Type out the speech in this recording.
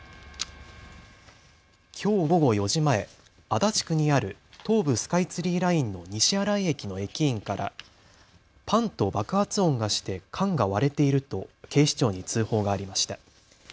きょう午後４時前、足立区にある東武スカイツリーラインの西新井駅の駅員からパンと爆発音がして缶が割れていると警視庁に通報がありました。